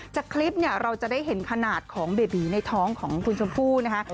จากคลิปเนี่ยเราจะได้เห็นขนาดของเบบีในท้องของคุณชมพู่นะคะ